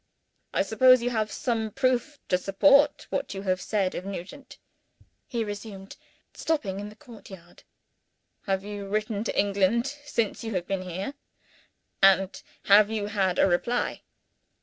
"I suppose you have some proof to support what you have said of Nugent," he resumed, stopping in the courtyard. "Have you written to England since you have been here? and have you had a reply?"